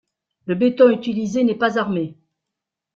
Le béton utilisé n'est pas armé.